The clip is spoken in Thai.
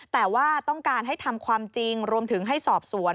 แต่ว่าต้องการให้ทำความจริงรวมถึงให้สอบสวน